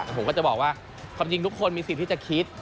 ผมก็จะบอกว่าความจริงทุกคนมีสิทธิ์ที่จะคิด